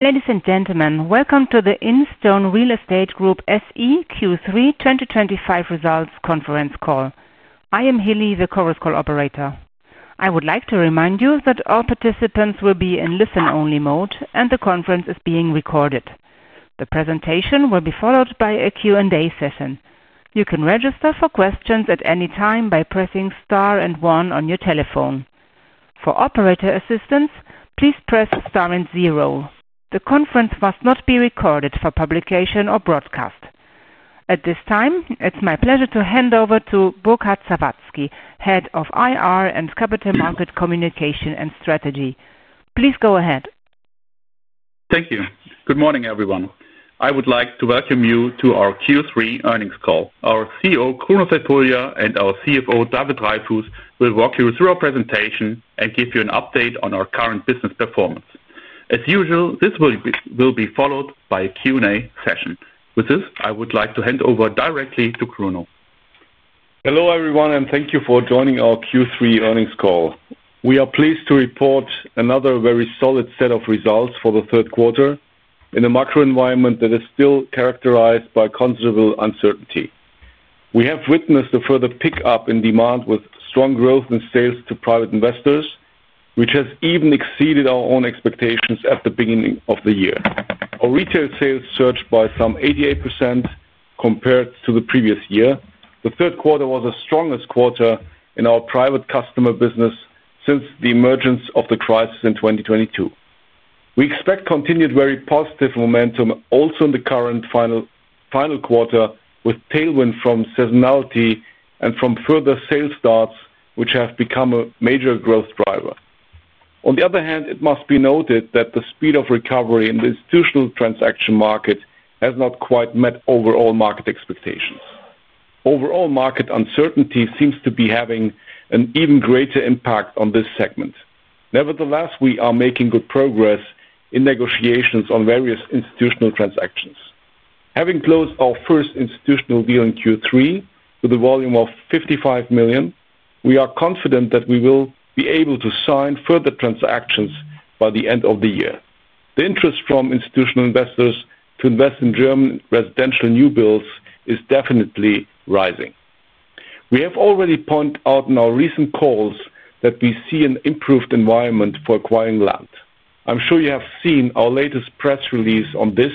Ladies and gentlemen, welcome to the Instone Real Estate Group SE Q3 2025 results conference call. I am Hillei, the Chorus Call operator. I would like to remind you that all participants will be in listen-only mode and the conference is being recorded. The presentation will be followed by a Q&A session. You can register for questions at any time by pressing star and one on your telephone. For operator assistance, please press star and zero. The conference must not be recorded for publication or broadcast. At this time, it's my pleasure to hand over to Burkhard Sawatzki, Head of IR and Capital Market Communication and Strategy. Please go ahead. Thank you. Good morning, everyone. I would like to welcome you to our Q3 earnings call. Our CEO, Kruno Crepulja, and our CFO, David Dreyfus, will walk you through our presentation and give you an update on our current business performance. As usual, this will be followed by a Q&A session. With this, I would like to hand over directly to Kruno. Hello, everyone, and thank you for joining our Q3 earnings call. We are pleased to report another very solid set of results for the third quarter in a macro environment that is still characterized by considerable uncertainty. We have witnessed a further pickup in demand with strong growth in sales to private investors, which has even exceeded our own expectations at the beginning of the year. Our retail sales surged by some 88% compared to the previous year. The third quarter was the strongest quarter in our private customer business since the emergence of the crisis in 2022. We expect continued very positive momentum also in the current final quarter, with tailwind from seasonality and from further sales starts, which have become a major growth driver. On the other hand, it must be noted that the speed of recovery in the institutional transaction market has not quite met overall market expectations. Overall market uncertainty seems to be having an even greater impact on this segment. Nevertheless, we are making good progress in negotiations on various institutional transactions. Having closed our first institutional deal in Q3 with a volume of 55 million, we are confident that we will be able to sign further transactions by the end of the year. The interest from institutional investors to invest in German residential new builds is definitely rising. We have already pointed out in our recent calls that we see an improved environment for acquiring land. I'm sure you have seen our latest press release on this,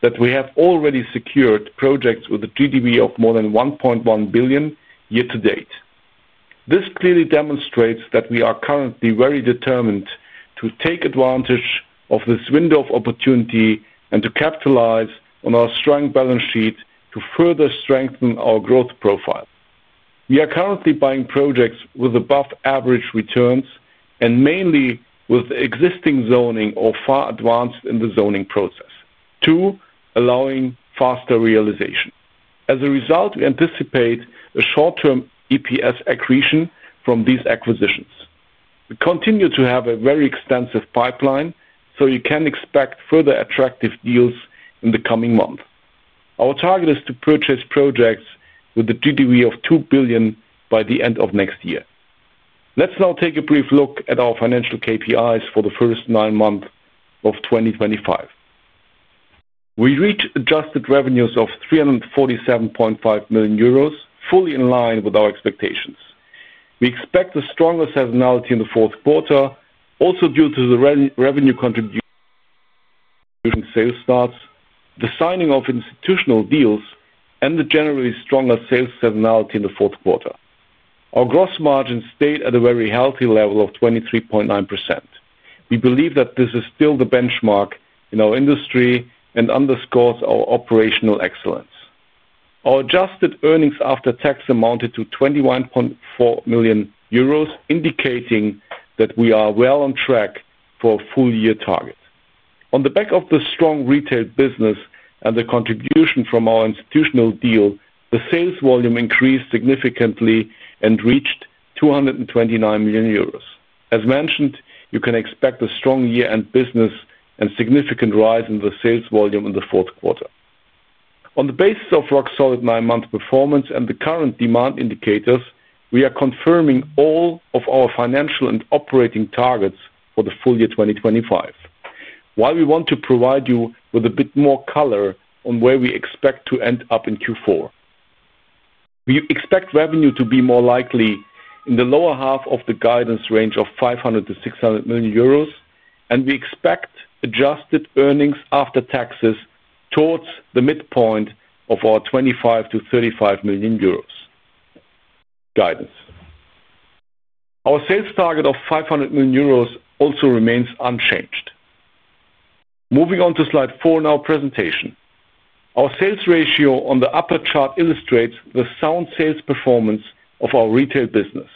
that we have already secured projects with a GDV of more than 1.1 billion year to date. This clearly demonstrates that we are currently very determined to take advantage of this window of opportunity and to capitalize on our strong balance sheet to further strengthen our growth profile. We are currently buying projects with above-average returns and mainly with existing zoning or far advanced in the zoning process, too, allowing faster realization. As a result, we anticipate a short-term EPS accretion from these acquisitions. We continue to have a very extensive pipeline, so you can expect further attractive deals in the coming month. Our target is to purchase projects with a GDV of 2 billion by the end of next year. Let's now take a brief look at our financial KPIs for the first nine months of 2025. We reached adjusted revenues of 347.5 million euros, fully in line with our expectations. We expect a stronger seasonality in the fourth quarter, also due to the revenue contribution. Sales starts, the signing of institutional deals, and the generally stronger sales seasonality in the fourth quarter. Our gross margin stayed at a very healthy level of 23.9%. We believe that this is still the benchmark in our industry and underscores our operational excellence. Our adjusted earnings after tax amounted to 21.4 million euros, indicating that we are well on track for a full-year target. On the back of the strong retail business and the contribution from our institutional deal, the sales volume increased significantly and reached 229 million euros. As mentioned, you can expect a strong year-end business and significant rise in the sales volume in the fourth quarter. On the basis of Rock Solid's nine-month performance and the current demand indicators, we are confirming all of our financial and operating targets for the full year 2025. While we want to provide you with a bit more color on where we expect to end up in Q4. We expect revenue to be more likely in the lower half of the guidance range of 500 million-600 million euros, and we expect adjusted earnings after taxes towards the midpoint of our 25 million-35 million euros guidance. Our sales target of 500 million euros also remains unchanged. Moving on to slide four in our presentation. Our sales ratio on the upper chart illustrates the sound sales performance of our retail business.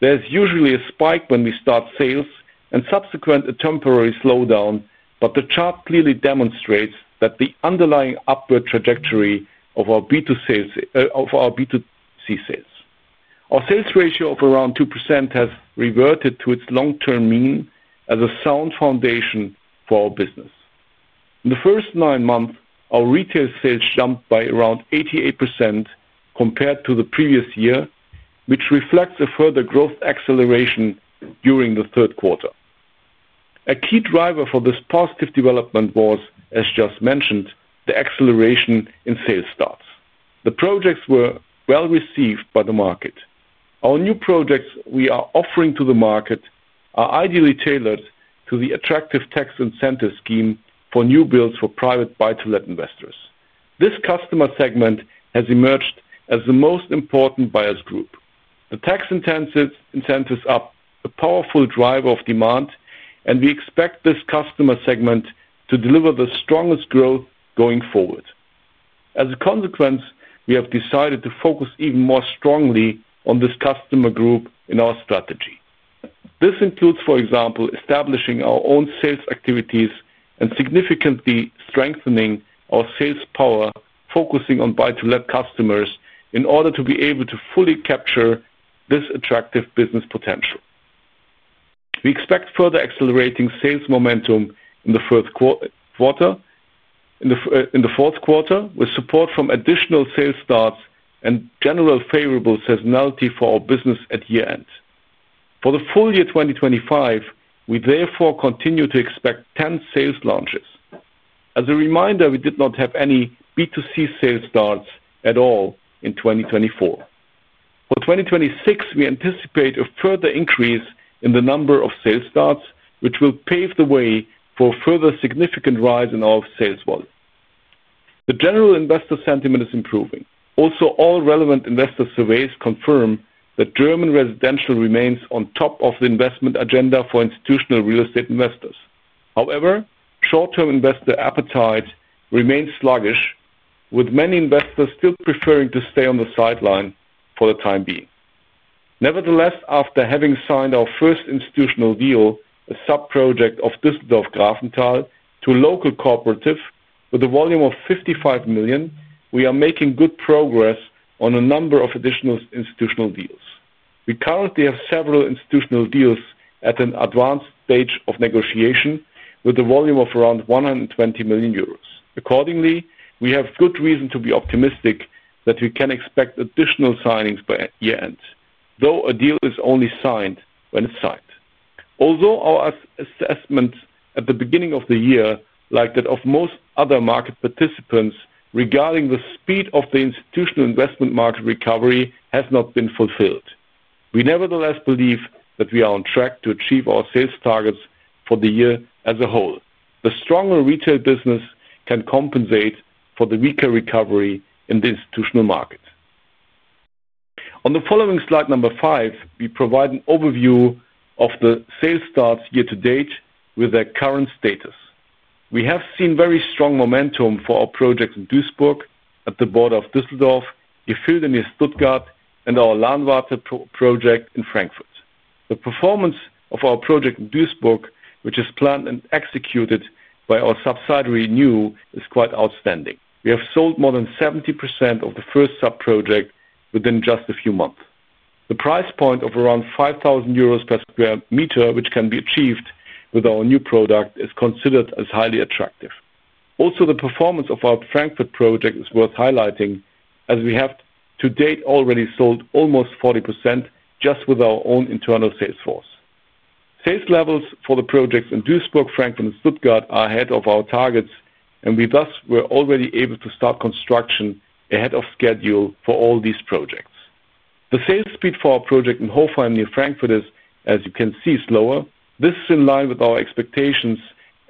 There is usually a spike when we start sales and subsequently a temporary slowdown, but the chart clearly demonstrates the underlying upward trajectory of our B2C sales. Our sales ratio of around 2% has reverted to its long-term mean as a sound foundation for our business. In the first nine months, our retail sales jumped by around 88% compared to the previous year, which reflects a further growth acceleration during the third quarter. A key driver for this positive development was, as just mentioned, the acceleration in sales starts. The projects were well received by the market. Our new projects we are offering to the market are ideally tailored to the attractive tax incentive scheme for new builds for private buy-to-let investors. This customer segment has emerged as the most important buyer's group. The tax incentives are a powerful driver of demand, and we expect this customer segment to deliver the strongest growth going forward. As a consequence, we have decided to focus even more strongly on this customer group in our strategy. This includes, for example, establishing our own sales activities and significantly strengthening our sales power, focusing on buy-to-let customers in order to be able to fully capture this attractive business potential. We expect further accelerating sales momentum in the fourth quarter, with support from additional sales starts and general favorable seasonality for our business at year-end. For the full year 2025, we therefore continue to expect 10 sales launches. As a reminder, we did not have any B2C sales starts at all in 2024. For 2026, we anticipate a further increase in the number of sales starts, which will pave the way for a further significant rise in our sales volume. The general investor sentiment is improving. Also, all relevant investor surveys confirm that German residential remains on top of the investment agenda for institutional real estate investors. However, short-term investor appetite remains sluggish, with many investors still preferring to stay on the sideline for the time being. Nevertheless, after having signed our first institutional deal, a subproject of Düsseldorf Grafental, to a local cooperative with a volume of 55 million, we are making good progress on a number of additional institutional deals. We currently have several institutional deals at an advanced stage of negotiation with a volume of around 120 million euros. Accordingly, we have good reason to be optimistic that we can expect additional signings by year-end, though a deal is only signed when it's signed. Although our assessment at the beginning of the year, like that of most other market participants, regarding the speed of the institutional investment market recovery has not been fulfilled, we nevertheless believe that we are on track to achieve our sales targets for the year as a whole. The stronger retail business can compensate for the weaker recovery in the institutional market. On the following slide, number five, we provide an overview of the sales starts year to date with their current status. We have seen very strong momentum for our projects in Duisburg, at the border of Düsseldorf, Gefylde near Stuttgart, and our Lahnwarte project in Frankfurt. The performance of our project in Duisburg, which is planned and executed by our subsidiary Nyoo, is quite outstanding. We have sold more than 70% of the first subproject within just a few months. The price point of around 5,000 euros per sq m, which can be achieved with our new product, is considered as highly attractive. Also, the performance of our Frankfurt project is worth highlighting, as we have to date already sold almost 40% just with our own internal sales force. Sales levels for the projects in Duisburg, Frankfurt, and Stuttgart are ahead of our targets, and we thus were already able to start construction ahead of schedule for all these projects. The sales speed for our project in Hofheim near Frankfurt is, as you can see, slower. This is in line with our expectations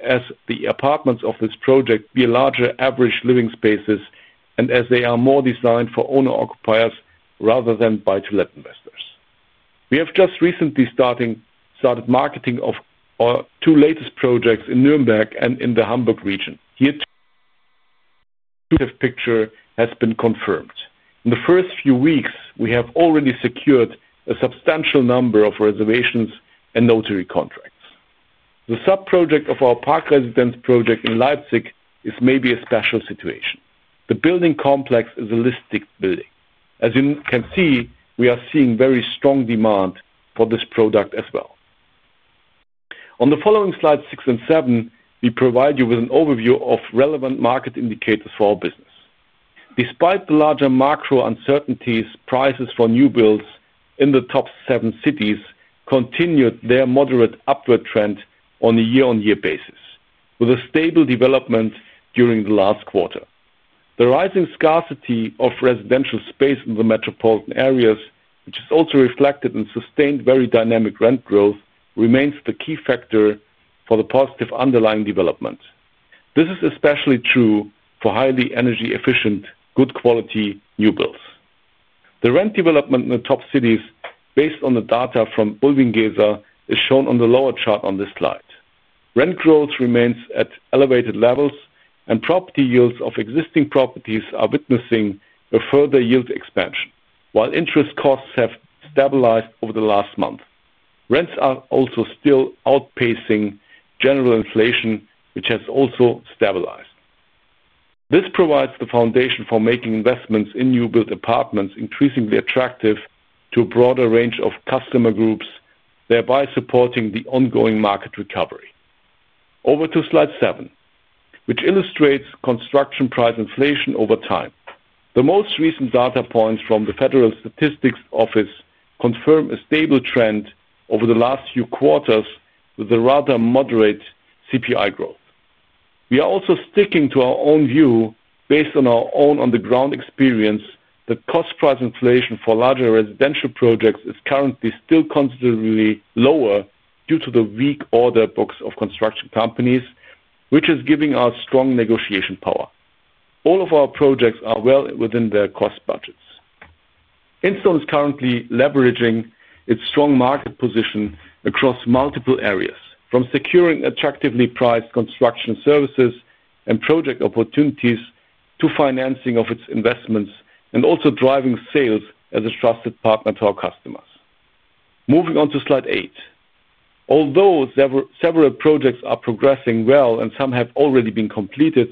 as the apartments of this project have larger average living spaces and as they are more designed for owner-occupiers rather than buy-to-let investors. We have just recently started marketing of our two latest projects in Nürnberg and in the Hamburg region. Here, the picture has been confirmed. In the first few weeks, we have already secured a substantial number of reservations and notary contracts. The subproject of our Park Residence project in Leipzig is maybe a special situation. The building complex is a listed building. As you can see, we are seeing very strong demand for this product as well. On the following slides, six and seven, we provide you with an overview of relevant market indicators for our business. Despite the larger macro uncertainties, prices for new builds in the top seven cities continued their moderate upward trend on a year-on-year basis, with a stable development during the last quarter. The rising scarcity of residential space in the metropolitan areas, which is also reflected in sustained very dynamic rent growth, remains the key factor for the positive underlying development. This is especially true for highly energy-efficient, good-quality new builds. The rent development in the top cities, based on the data from Bulwiengesa, is shown on the lower chart on this slide. Rent growth remains at elevated levels, and property yields of existing properties are witnessing a further yield expansion, while interest costs have stabilized over the last month. Rents are also still outpacing general inflation, which has also stabilized. This provides the foundation for making investments in new-built apartments increasingly attractive to a broader range of customer groups, thereby supporting the ongoing market recovery. Over to slide seven, which illustrates construction price inflation over time. The most recent data points from the Federal Statistics Office confirm a stable trend over the last few quarters with a rather moderate CPI growth. We are also sticking to our own view based on our own on-the-ground experience that cost-price inflation for larger residential projects is currently still considerably lower due to the weak order books of construction companies, which is giving us strong negotiation power. All of our projects are well within their cost budgets. Instone is currently leveraging its strong market position across multiple areas, from securing attractively priced construction services and project opportunities to financing of its investments and also driving sales as a trusted partner to our customers. Moving on to slide eight. Although several projects are progressing well and some have already been completed,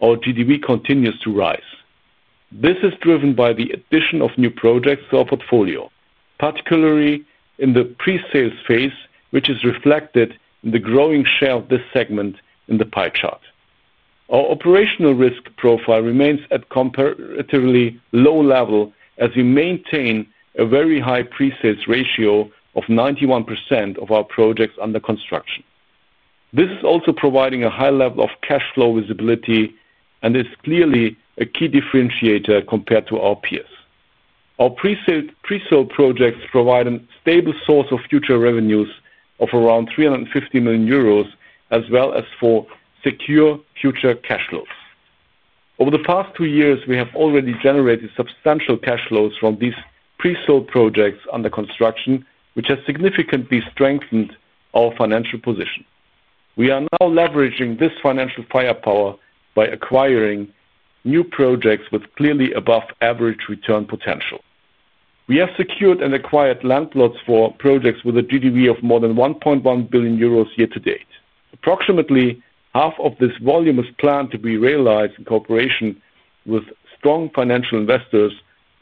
our GDV continues to rise. This is driven by the addition of new projects to our portfolio, particularly in the pre-sales phase, which is reflected in the growing share of this segment in the pie chart. Our operational risk profile remains at a comparatively low level as we maintain a very high pre-sales ratio of 91% of our projects under construction. This is also providing a high level of cash flow visibility and is clearly a key differentiator compared to our peers. Our pre-sale projects provide a stable source of future revenues of around 350 million euros, as well as for secure future cash flows. Over the past two years, we have already generated substantial cash flows from these pre-sold projects under construction, which has significantly strengthened our financial position. We are now leveraging this financial firepower by acquiring new projects with clearly above-average return potential. We have secured and acquired land plots for projects with a GDV of more than 1.1 billion euros year to date. Approximately half of this volume is planned to be realized in cooperation with strong financial investors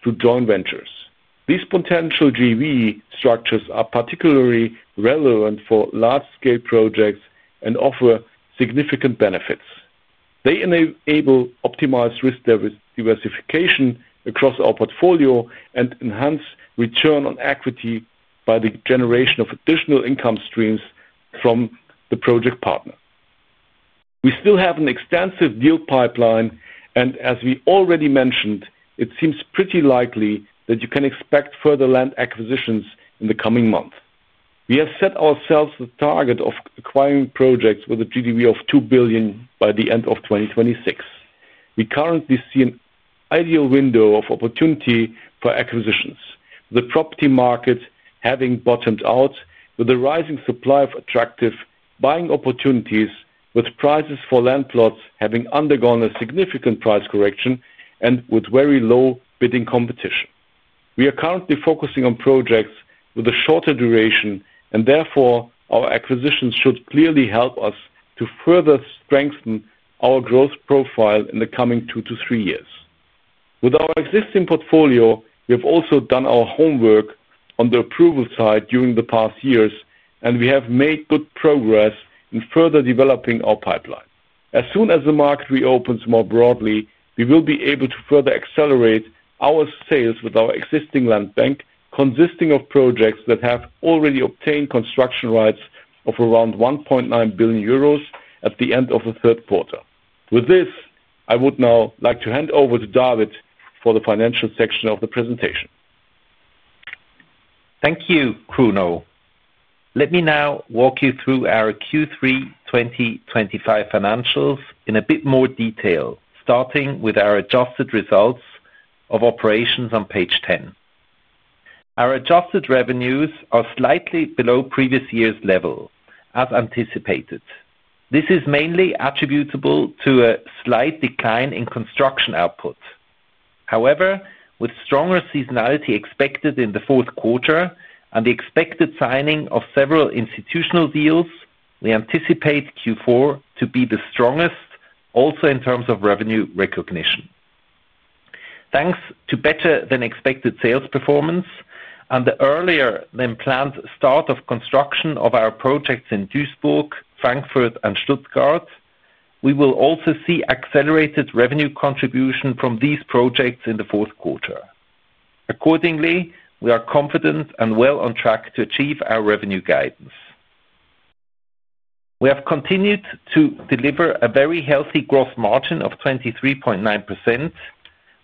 through joint ventures. These potential GDV structures are particularly relevant for large-scale projects and offer significant benefits. They enable optimized risk diversification across our portfolio and enhance return on equity by the generation of additional income streams from the project partner. We still have an extensive deal pipeline, and as we already mentioned, it seems pretty likely that you can expect further land acquisitions in the coming month. We have set ourselves the target of acquiring projects with a GDV of 2 billion by the end of 2026. We currently see an ideal window of opportunity for acquisitions, with the property market having bottomed out, with the rising supply of attractive buying opportunities, with prices for landlords having undergone a significant price correction, and with very low bidding competition. We are currently focusing on projects with a shorter duration, and therefore our acquisitions should clearly help us to further strengthen our growth profile in the coming two to three years. With our existing portfolio, we have also done our homework on the approval side during the past years, and we have made good progress in further developing our pipeline. As soon as the market reopens more broadly, we will be able to further accelerate our sales with our existing land bank, consisting of projects that have already obtained construction rights of around 1.9 billion euros at the end of the third quarter. With this, I would now like to hand over to David for the financial section of the presentation. Thank you, Kruno. Let me now walk you through our Q3 2025 financials in a bit more detail, starting with our adjusted results of operations on page 10. Our adjusted revenues are slightly below previous year's level, as anticipated. This is mainly attributable to a slight decline in construction output. However, with stronger seasonality expected in the fourth quarter and the expected signing of several institutional deals, we anticipate Q4 to be the strongest, also in terms of revenue recognition. Thanks to better-than-expected sales performance and the earlier-than-planned start of construction of our projects in Duisburg, Frankfurt, and Stuttgart, we will also see accelerated revenue contribution from these projects in the fourth quarter. Accordingly, we are confident and well on track to achieve our revenue guidance. We have continued to deliver a very healthy gross margin of 23.9%,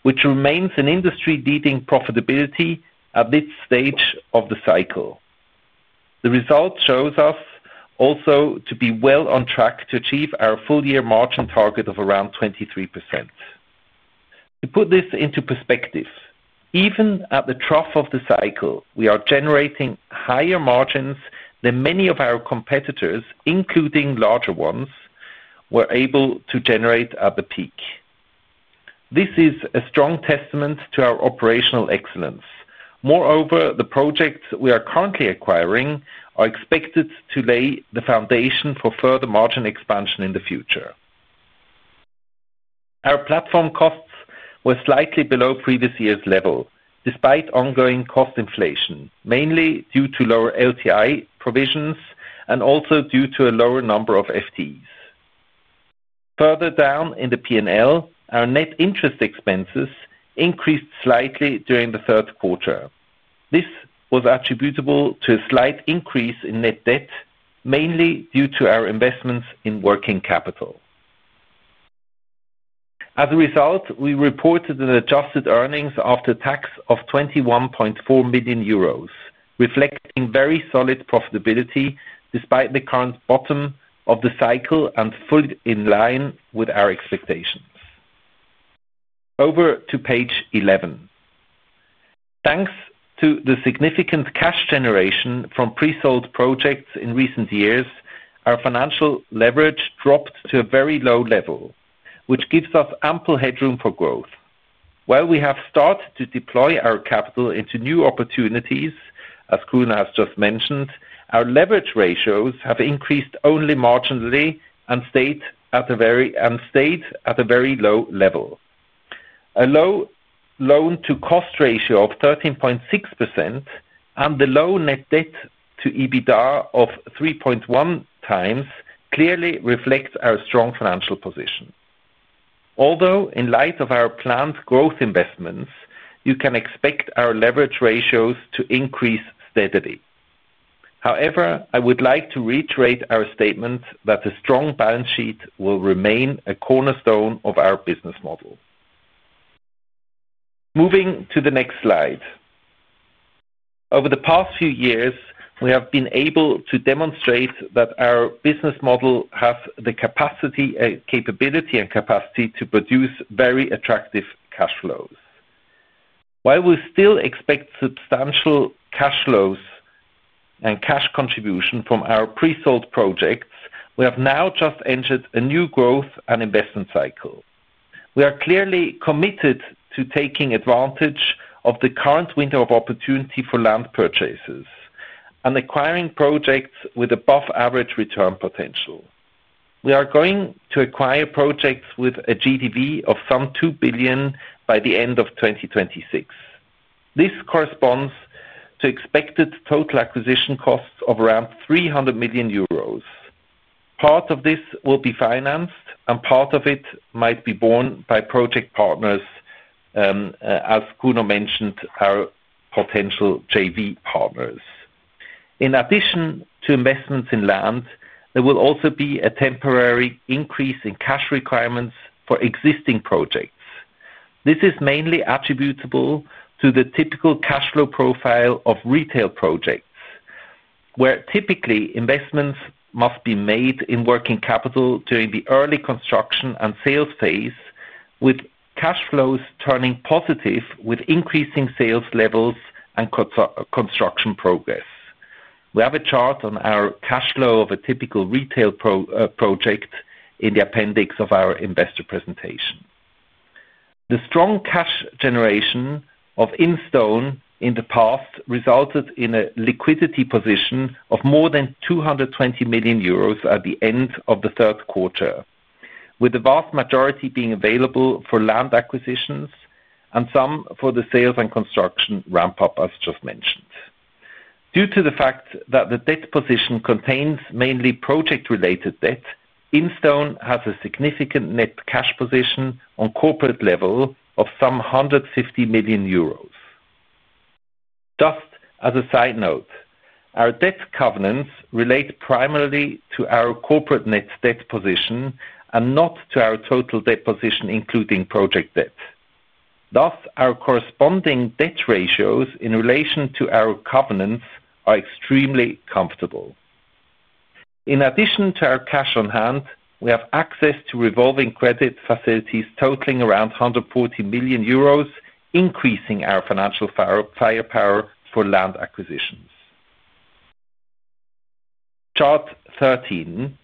which remains an industry-leading profitability at this stage of the cycle. The result shows us also to be well on track to achieve our full-year margin target of around 23%. To put this into perspective, even at the trough of the cycle, we are generating higher margins than many of our competitors, including larger ones, were able to generate at the peak. This is a strong testament to our operational excellence. Moreover, the projects we are currently acquiring are expected to lay the foundation for further margin expansion in the future. Our platform costs were slightly below previous year's level, despite ongoing cost inflation, mainly due to lower LTI provisions and also due to a lower number of FTEs. Further down in the P&L, our net interest expenses increased slightly during the third quarter. This was attributable to a slight increase in net debt, mainly due to our investments in working capital. As a result, we reported an adjusted earnings after tax of 21.4 million euros, reflecting very solid profitability despite the current bottom of the cycle and fully in line with our expectations. Over to page 11. Thanks to the significant cash generation from pre-sold projects in recent years, our financial leverage dropped to a very low level, which gives us ample headroom for growth. While we have started to deploy our capital into new opportunities, as Kruno has just mentioned, our leverage ratios have increased only marginally and stayed at a very low level. A low loan-to-cost ratio of 13.6% and the low net debt to EBITDA of 3.1x clearly reflect our strong financial position. Although in light of our planned growth investments, you can expect our leverage ratios to increase steadily. However, I would like to reiterate our statement that a strong balance sheet will remain a cornerstone of our business model. Moving to the next slide. Over the past few years, we have been able to demonstrate that our business model has the capacity, capability, and capacity to produce very attractive cash flows. While we still expect substantial cash flows and cash contribution from our pre-sold projects, we have now just entered a new growth and investment cycle. We are clearly committed to taking advantage of the current window of opportunity for land purchases and acquiring projects with above-average return potential. We are going to acquire projects with a GDV of some 2 billion by the end of 2026. This corresponds to expected total acquisition costs of around 300 million euros. Part of this will be financed, and part of it might be borne by project partners. As Kruno mentioned, our potential JV partners. In addition to investments in land, there will also be a temporary increase in cash requirements for existing projects. This is mainly attributable to the typical cash flow profile of residential projects, where typically investments must be made in working capital during the early construction and sales phase, with cash flows turning positive with increasing sales levels and construction progress. We have a chart on our cash flow of a typical retail project in the appendix of our investor presentation. The strong cash generation of Instone in the past resulted in a liquidity position of more than 220 million euros at the end of the third quarter, with the vast majority being available for land acquisitions and some for the sales and construction ramp-up, as just mentioned. Due to the fact that the debt position contains mainly project-related debt, Instone has a significant net cash position on corporate level of some 150 million euros. Just as a side note, our debt covenants relate primarily to our corporate net debt position and not to our total debt position, including project debt. Thus, our corresponding debt ratios in relation to our covenants are extremely comfortable. In addition to our cash on hand, we have access to revolving credit facilities totaling around 140 million euros, increasing our financial firepower for land acquisitions. Chart 13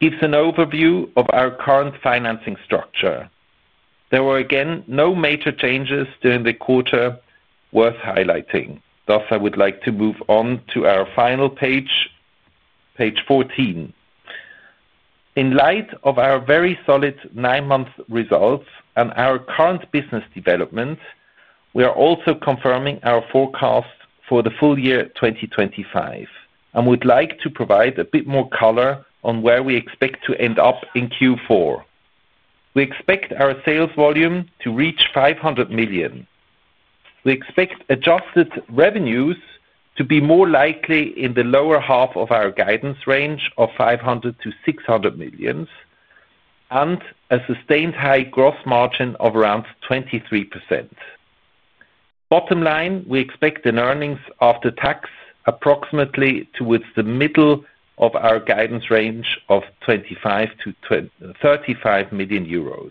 gives an overview of our current financing structure. There were again no major changes during the quarter worth highlighting. Thus, I would like to move on to our final page, page 14. In light of our very solid nine-month results and our current business development, we are also confirming our forecast for the full year 2025 and would like to provide a bit more color on where we expect to end up in Q4. We expect our sales volume to reach 500 million. We expect adjusted revenues to be more likely in the lower half of our guidance range of 500 million-600 million. A sustained high gross margin of around 23% is expected. Bottom line, we expect an earnings after tax approximately to with the middle of our guidance range of 25 million-35 million euros.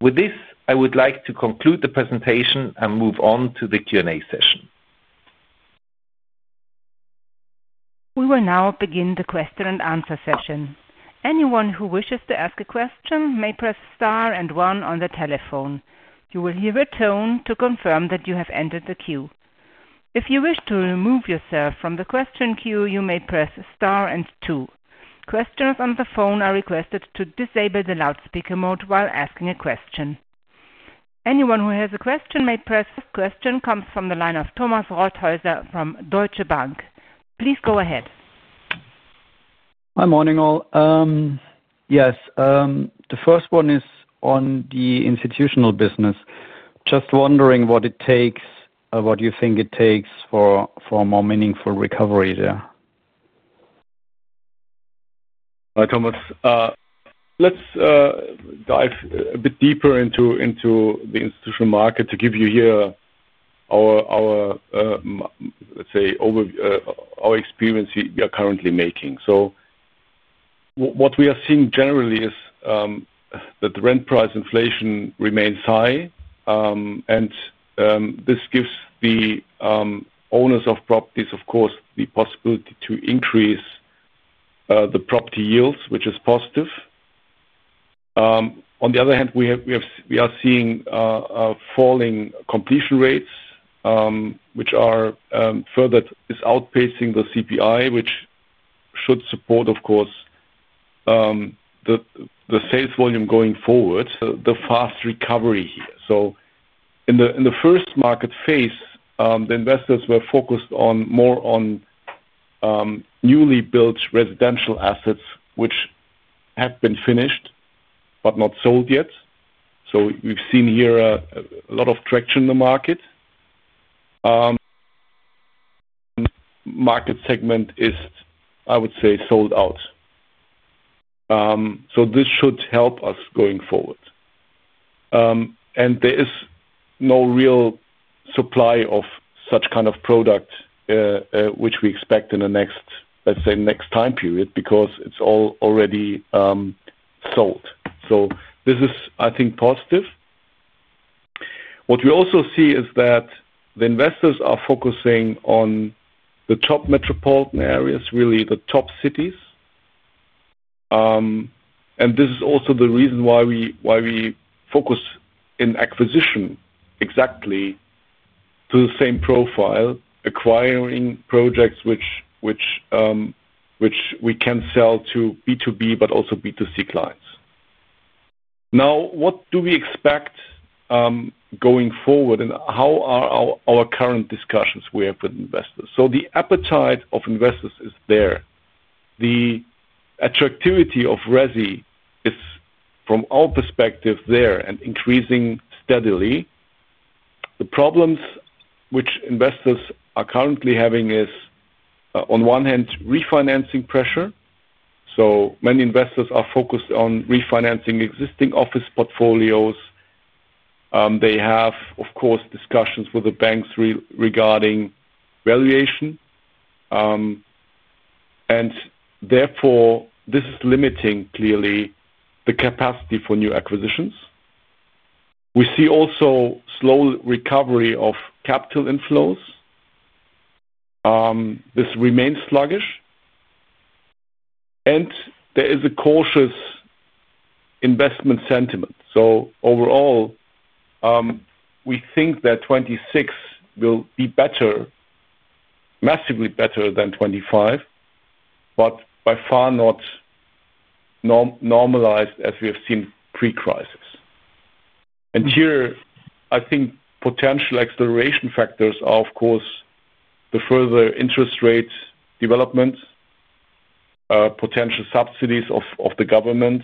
With this, I would like to conclude the presentation and move on to the Q&A session. We will now begin the question and answer session. Anyone who wishes to ask a question may press star and one on the telephone. You will hear a tone to confirm that you have entered the queue. If you wish to remove yourself from the question queue, you may press star and two. Questions on the phone are requested to disable the loudspeaker mode while asking a question. Anyone who has a question may press. First question comes from the line of Thomas Rothaeusler from Deutsche Bank. Please go ahead. Good morning, all. Yes. The first one is on the institutional business. Just wondering what it takes, what you think it takes for a more meaningful recovery there. Hi, Thomas. Let's dive a bit deeper into the institutional market to give you here our, let's say, our experience we are currently making. What we are seeing generally is that rent price inflation remains high. This gives the owners of properties, of course, the possibility to increase the property yields, which is positive. On the other hand, we are seeing falling completion rates, which are further outpacing the CPI, which should support, of course, the sales volume going forward. The fast recovery here. In the first market phase, the investors were focused more on newly built residential assets, which have been finished but not sold yet. We've seen here a lot of traction in the market. Market segment is, I would say, sold out. This should help us going forward. There is no real supply of such kind of product, which we expect in the next, let's say, next time period because it is all already sold. This is, I think, positive. What we also see is that the investors are focusing on the top metropolitan areas, really the top cities. This is also the reason why we focus in acquisition exactly to the same profile, acquiring projects which we can sell to B2B but also B2C clients. Now, what do we expect going forward, and how are our current discussions we have with investors? The appetite of investors is there. The attractivity of RESI is, from our perspective, there and increasing steadily. The problems which investors are currently having is, on one hand, refinancing pressure. Many investors are focused on refinancing existing office portfolios. They have, of course, discussions with the banks regarding valuation. Therefore, this is limiting clearly the capacity for new acquisitions. We see also slow recovery of capital inflows. This remains sluggish. There is a cautious investment sentiment. Overall, we think that 2026 will be better, massively better than 2025, but by far not normalized as we have seen pre-crisis. I think potential acceleration factors are, of course, the further interest rate developments, potential subsidies of the government.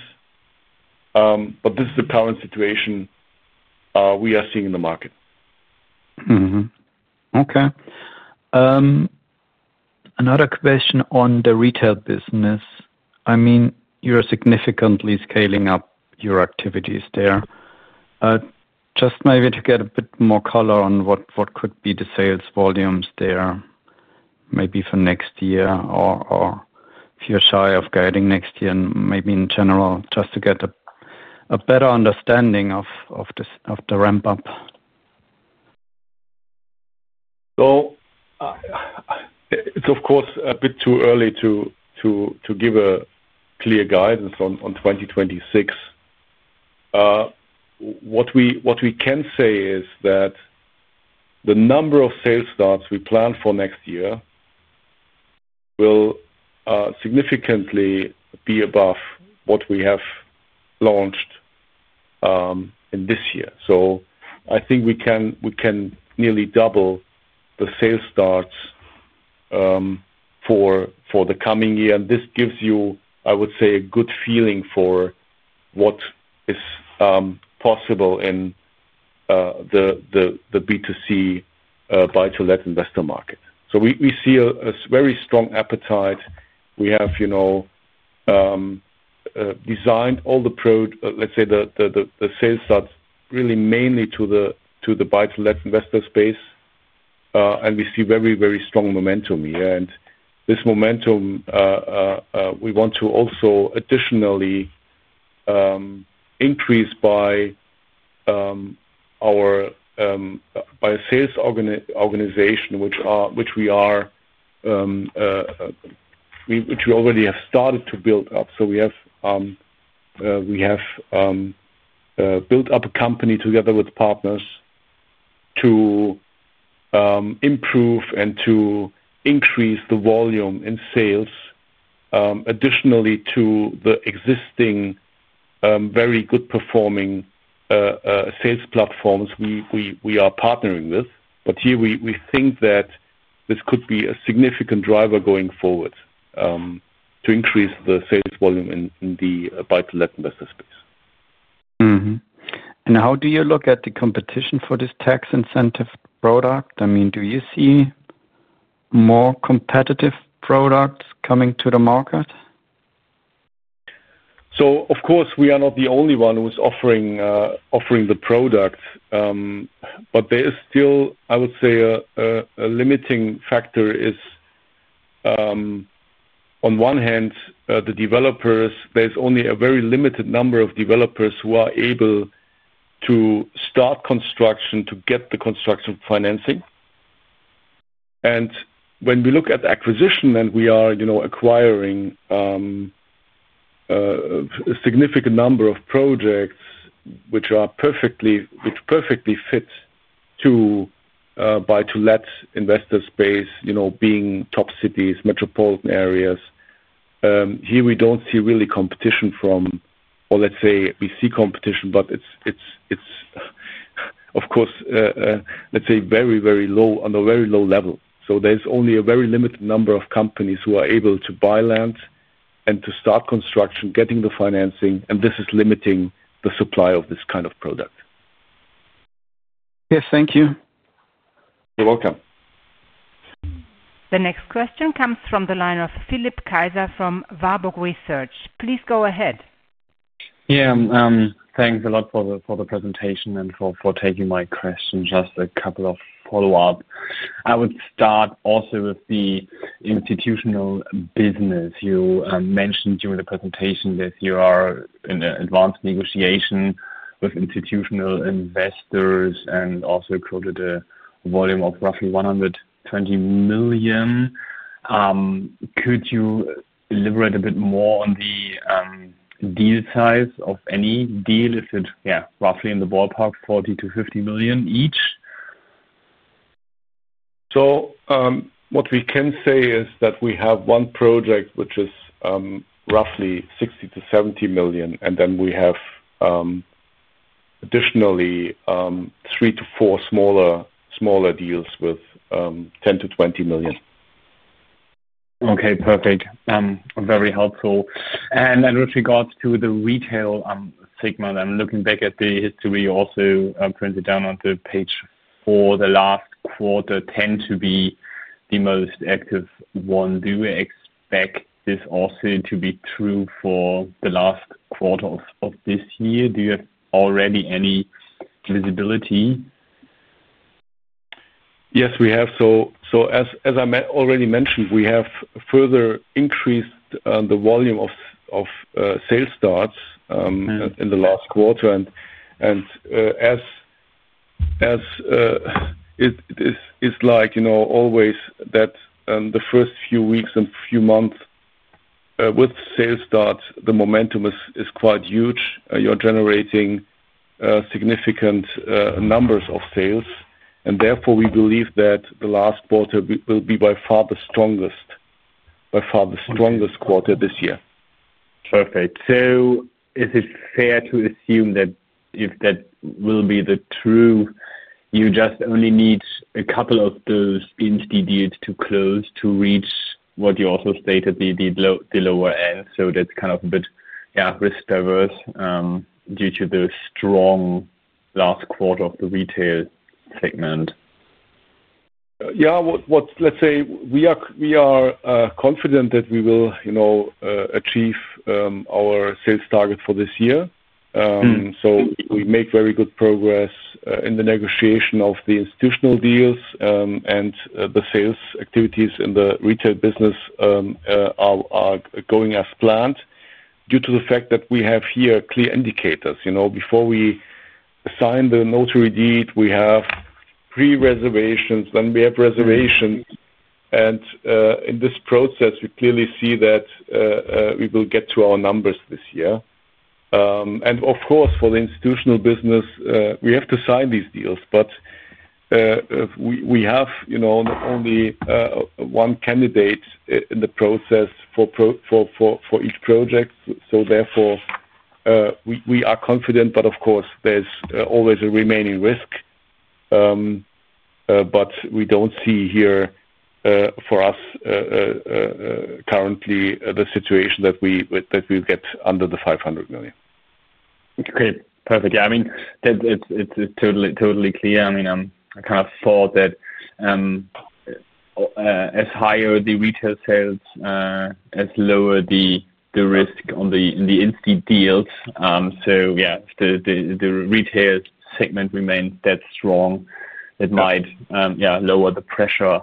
This is the current situation we are seeing in the market. Okay. Another question on the retail business. I mean, you're significantly scaling up your activities there. Just maybe to get a bit more color on what could be the sales volumes there, maybe for next year or if you're shy of guiding next year and maybe in general, just to get a better understanding of the ramp-up. It is, of course, a bit too early to give a clear guidance on 2026. What we can say is that the number of sales starts we plan for next year will significantly be above what we have launched in this year. I think we can nearly double the sales starts for the coming year. This gives you, I would say, a good feeling for what is possible in the B2C buy-to-let investor market. We see a very strong appetite. We have designed all the, let's say, the sales starts really mainly to the buy-to-let investor space. We see very, very strong momentum here. This momentum we want to also additionally increase by our sales organization, which we already have started to build up. We have built up a company together with partners to. Improve and to increase the volume in sales. Additionally to the existing very good-performing sales platforms we are partnering with. Here, we think that this could be a significant driver going forward to increase the sales volume in the buy-to-let investor space. How do you look at the competition for this tax incentive product? I mean, do you see more competitive products coming to the market? Of course, we are not the only one who is offering the product. There is still, I would say, a limiting factor. On one hand, the developers. There is only a very limited number of developers who are able to start construction to get the construction financing. When we look at acquisition, and we are acquiring a significant number of projects which perfectly fit to buy-to-let investor space, being top cities, metropolitan areas. Here, we do not see really competition from, or let us say we see competition, but it is, of course. Let us say, very, very low on a very low level. There is only a very limited number of companies who are able to buy land and to start construction, getting the financing, and this is limiting the supply of this kind of product. Yes, thank you. You are welcome. The next question comes from the line of Philipp Kaiser from Warburg Research. Please go ahead. Yeah. Thanks a lot for the presentation and for taking my questions. Just a couple of follow-ups. I would start also with the institutional business. You mentioned during the presentation that you are in advanced negotiation with institutional investors and also quoted a volume of roughly 120 million. Could you elaborate a bit more on the deal size of any deal? Is it, yeah, roughly in the ballpark, 40 million-50 million each? What we can say is that we have one project which is roughly 60 million-70 million, and then we have additionally three to four smaller deals with 10 million-20 million. Okay. Perfect. Very helpful. With regards to the retail segment, I'm looking back at the history also printed down on the page for the last quarter, tend to be the most active one. Do you expect this also to be true for the last quarter of this year? Do you have already any visibility? Yes, we have. As I already mentioned, we have further increased the volume of sales starts in the last quarter. It is like always that the first few weeks and few months with sales starts, the momentum is quite huge. You're generating significant numbers of sales. Therefore, we believe that the last quarter will be by far the strongest quarter this year. Perfect. Is it fair to assume that will be true? You just only need a couple of those intermediates to close to reach what you also stated, the lower end. That is kind of a bit, yeah, risk averse due to the strong last quarter of the retail segment. Yeah. Let's say we are confident that we will achieve our sales target for this year. We make very good progress in the negotiation of the institutional deals, and the sales activities in the retail business are going as planned due to the fact that we have here clear indicators. Before we sign the notary deed, we have pre-reservations, then we have reservations. In this process, we clearly see that we will get to our numbers this year. Of course, for the institutional business, we have to sign these deals. We have not only one candidate in the process for each project. Therefore, we are confident. Of course, there is always a remaining risk. We do not see here, for us, currently the situation that we get under 500 million. Okay. Perfect. Yeah. I mean, it is totally clear. I mean, I kind of thought that as higher the retail sales, as lower the risk in the instant deals. If the retail segment remains that strong, it might lower the pressure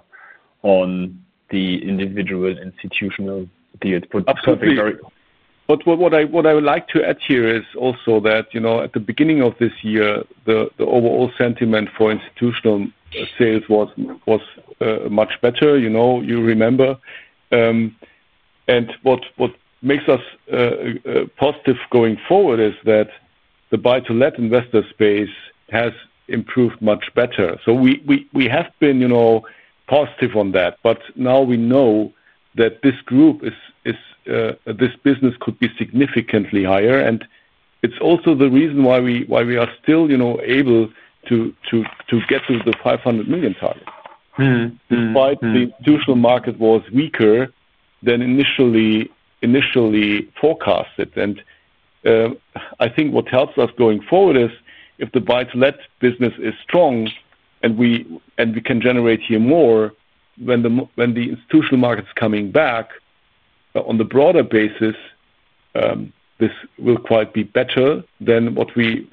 on the individual institutional deals. Something very. What I would like to add here is also that at the beginning of this year, the overall sentiment for institutional sales was much better, you remember. What makes us. Positive going forward is that the buy-to-let investor space has improved much better. We have been positive on that. Now we know that this group, this business could be significantly higher. It is also the reason why we are still able to get to the 500 million target, despite the institutional market was weaker than initially forecasted. I think what helps us going forward is if the buy-to-let business is strong and we can generate here more when the institutional market is coming back. On the broader basis, this will quite be better than what we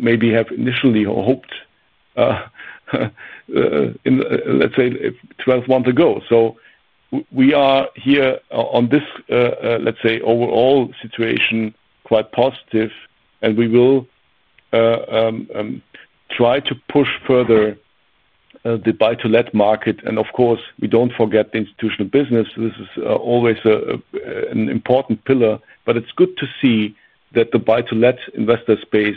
maybe have initially hoped, let's say, 12 months ago. We are here on this, let's say, overall situation quite positive. We will try to push further the buy-to-let market. Of course, we do not forget the institutional business. This is always an important pillar. It is good to see that the buy-to-let investor space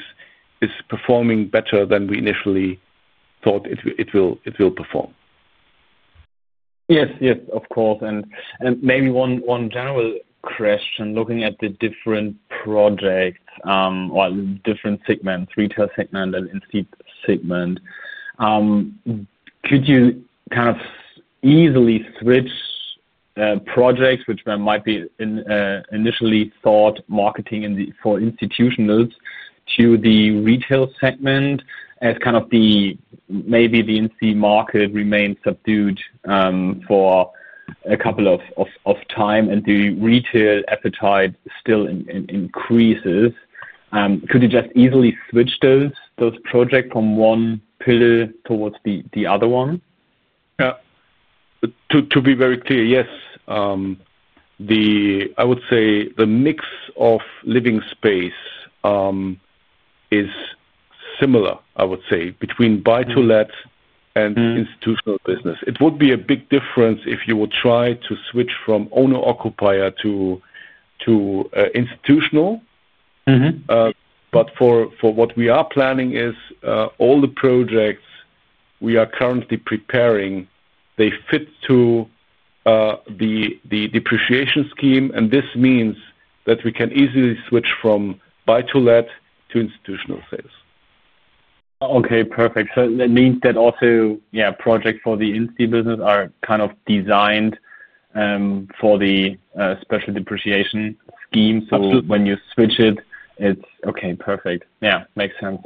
is performing better than we initially thought it would perform. Yes. Yes. Of course. Maybe one general question, looking at the different projects or different segments, retail segment and institutional segment. Could you kind of easily switch projects which might be initially thought marketing for institutionals to the retail segment as kind of maybe the institutional market remains subdued for a couple of times and the retail appetite still increases? Could you just easily switch those projects from one pillar towards the other one? Yeah. To be very clear, yes. I would say the mix of living space is similar, I would say, between buy-to-let and institutional business. It would be a big difference if you would try to switch from owner-occupier to institutional. For what we are planning, all the projects we are currently preparing fit to the depreciation scheme. This means that we can easily switch from buy-to-let to institutional sales. Okay. Perfect. That means that also, yeah, projects for the Instone business are kind of designed for the special depreciation scheme. When you switch it, it's okay. Perfect. Yeah. Makes sense.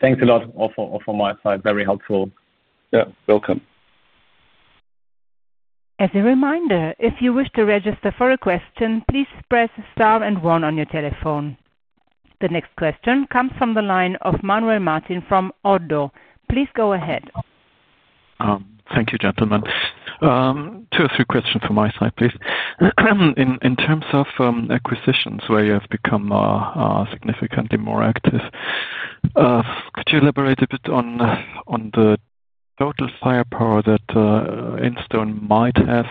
Thanks a lot from my side. Very helpful. Yeah. Welcome. As a reminder, if you wish to register for a question, please press star and one on your telephone. The next question comes from the line of Manuel Martin from ODDO. Please go ahead. Thank you, gentlemen. Two or three questions from my side, please. In terms of acquisitions where you have become significantly more active, could you elaborate a bit on the total firepower that Instone might have.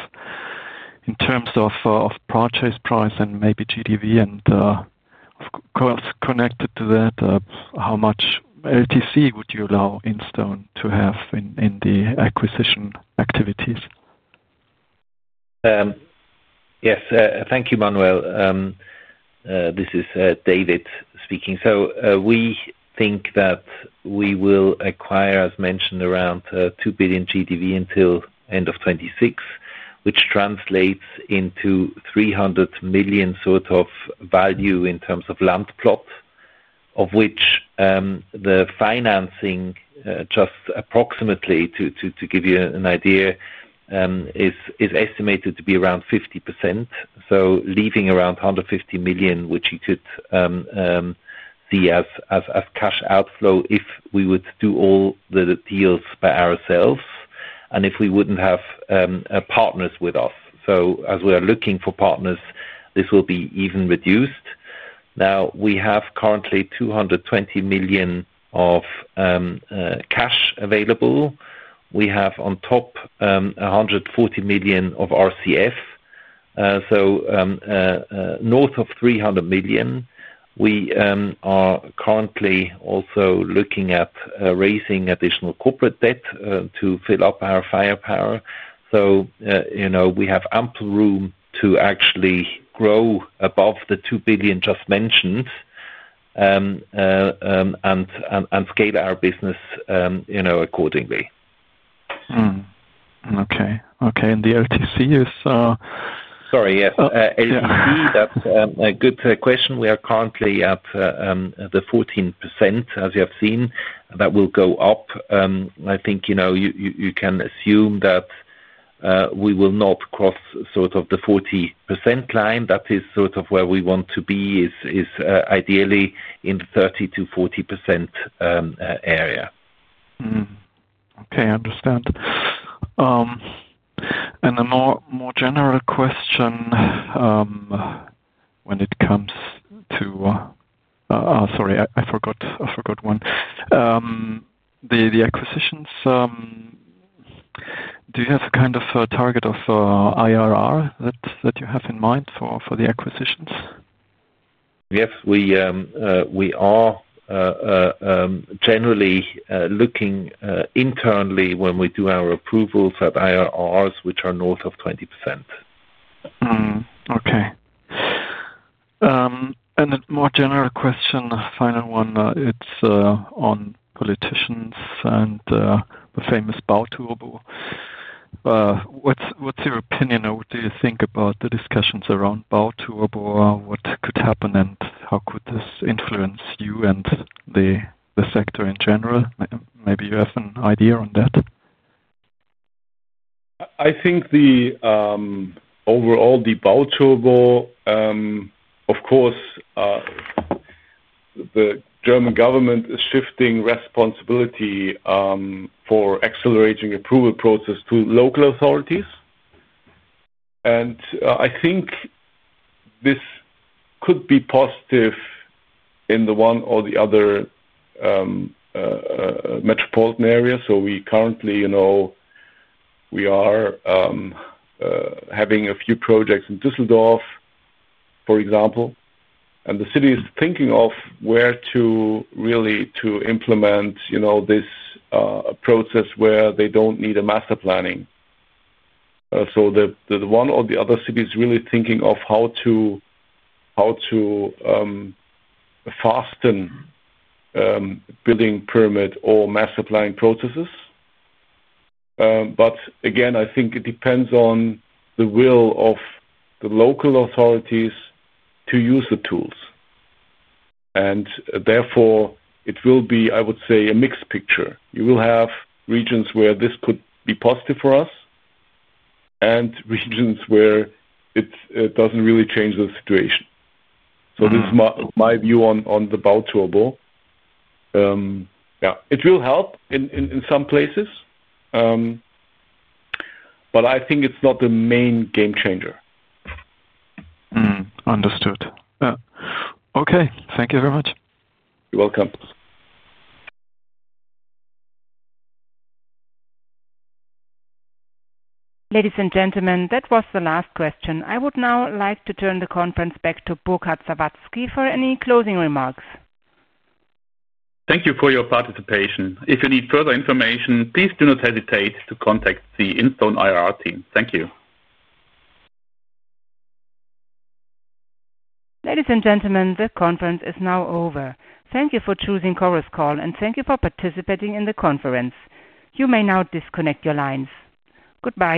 In terms of purchase price and maybe GDV and, of course, connected to that, how much LTC would you allow Instone to have in the acquisition activities? Yes. Thank you, Manuel. This is David speaking. So we think that we will acquire, as mentioned, around 2 billion GDV until end of 2026, which translates into 300 million sort of value in terms of land plot, of which the financing, just approximately, to give you an idea, is estimated to be around 50%. So leaving around 150 million, which you could see as cash outflow if we would do all the deals by ourselves and if we would not have partners with us. As we are looking for partners, this will be even reduced. Now, we have currently 220 million of cash available. We have on top 140 million of RCF. North of 300 million. We are currently also looking at raising additional corporate debt to fill up our firepower. We have ample room to actually grow above the 2 billion just mentioned and scale our business accordingly. Okay. Okay. And the LTC is. Sorry. Yes. LTC, that's a good question. We are currently at the 14%, as you have seen. That will go up. I think you can assume that. We will not cross sort of the 40% line. That is sort of where we want to be, ideally in the 30-40% area. Okay. I understand. And a more general question. When it comes to— Sorry, I forgot one. The acquisitions. Do you have a kind of target of IRR that you have in mind for the acquisitions? Yes. We are generally looking internally when we do our approvals at IRRs, which are north of 20%. Okay. A more general question, final one. It's on politicians and the famous Balturbo. What's your opinion or what do you think about the discussions around Balturbo? What could happen and how could this influence you and the sector in general? Maybe you have an idea on that. I think overall, the Balturbo, of course, the German government is shifting responsibility for accelerating approval process to local authorities. I think this could be positive in the one or the other metropolitan area. Currently, we are having a few projects in Düsseldorf, for example, and the city is thinking of where to really implement this process where they don't need a master planning. The one or the other city is really thinking of how to fasten building permit or master planning processes. Again, I think it depends on the will of the local authorities to use the tools. Therefore, it will be, I would say, a mixed picture. You will have regions where this could be positive for us and regions where it does not really change the situation. This is my view on the Balturbo. Yeah, it will help in some places, but I think it is not the main game changer. Understood. Okay. Thank you very much. You are welcome. Ladies and gentlemen, that was the last question. I would now like to turn the conference back to Burkhard Sawatzki for any closing remarks. Thank you for your participation. If you need further information, please do not hesitate to contact the Instone IRR team. Thank you. Ladies and gentlemen, the conference is now over. Thank you for choosing Chorus Call, and thank you for participating in the conference. You may now disconnect your lines. Goodbye.